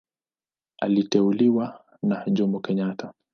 Aliteuliwa na Jomo Kenyatta.